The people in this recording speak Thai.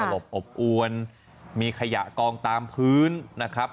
ลบอบอวนมีขยะกองตามพื้นนะครับ